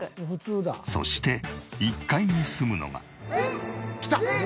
そして１階に住むのが。